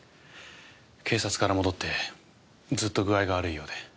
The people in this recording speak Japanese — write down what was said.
警察から戻ってずっと具合が悪いようで。